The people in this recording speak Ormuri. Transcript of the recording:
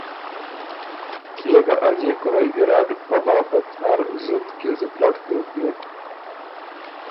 کيې که از يې کُورۀ ګیرډ پۀ بابت نر زُت پیوزی پلټ دوک بیوک